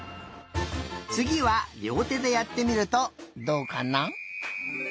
つぎはりょうてでやってみるとどうかな？